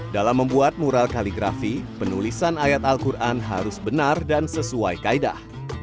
dalam membuat mural kaligrafi penulisan ayat al quran harus benar dan sesuai kaedah